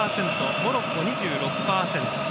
モロッコ２６％。